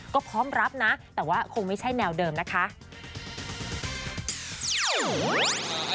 ก็พร้อมรับนะแต่ว่าคงไม่ใช่แนวเดิมนะคะ